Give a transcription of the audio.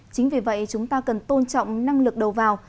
chính vì vậy chúng ta cần tôn trọng năng lực đầu vào